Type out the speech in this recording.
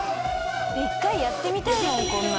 一回やってみたいもんこんなの。